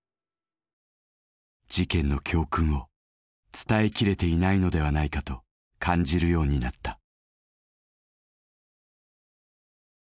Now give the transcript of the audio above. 事件の教訓を伝えきれていないのではないかと感じるようになった。